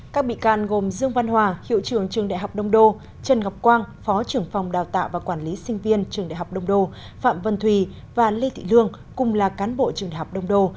các bị can gồm dương văn hòa hiệu trưởng trường đại học đông đô trần ngọc quang phó trưởng phòng đào tạo và quản lý sinh viên trường đại học đông đô phạm vân thùy và lê thị lương cùng là cán bộ trường đại học đông đô